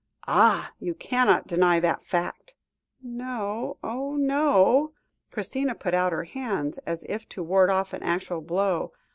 "Ah! you cannot deny that fact?" "No, oh! no," Christina put out her hands as if to ward off an actual blow.